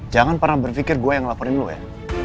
jangan pernah berpikir gue yang ngelaporin lo ya